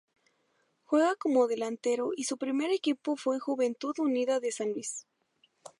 Juega como delantero y su primer equipo fue Juventud Unida de San Luis.